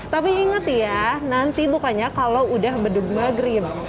tapi ingat ya nanti bukanya kalau udah bandung magrib